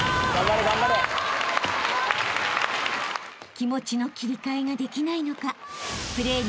［気持ちの切り替えができないのかプレーに］